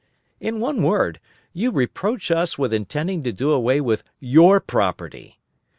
In one word, you reproach us with intending to do away with your property.